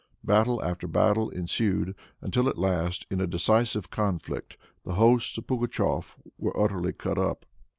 Battle after battle ensued, until, at last, in a decisive conflict, the hosts of Pugatshef were utterly cut up.